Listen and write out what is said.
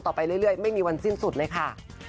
ไปเรื่อยไม่มีวันสิ้นสุดเลยค่ะ